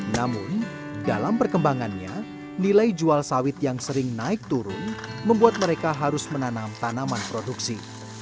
namun dalam perkembangannya nilai jual sawit yang sering naik turun membuat mereka harus menanam tanaman produksi